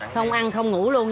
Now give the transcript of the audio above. không ăn không ngủ luôn